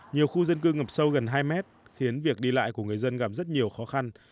nhiều khu dân cư ngập sâu gần hai mét khiến việc đi lại của người dân gặp rất nhiều khó khăn